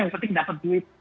yang penting dapat duit